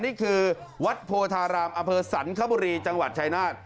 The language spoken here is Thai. นี่คือวัดโพธารามอเภอสันคบุรีจังหวัดชายนาฏ